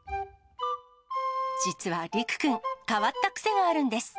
実は睦くん、変わった癖があるんです。